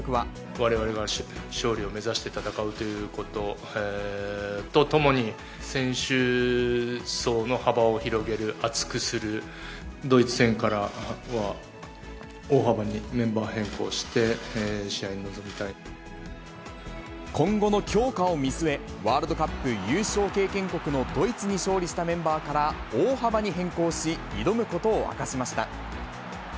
われわれが勝利を目指して戦うということとともに、選手層の幅を広げる、厚くする、ドイツ戦からは大幅にメンバー変更して、試合に臨みた今後の強化を見据え、ワールドカップ優勝経験国のドイツに勝利したメンバーから大幅に変更し、挑むことを明かしました。